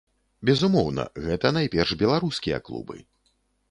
Безумоўна, гэта найперш беларускія клубы.